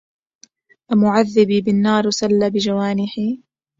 أمعذبي بالنار سل بجوانحي